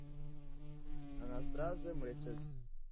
Anastaze Murekezi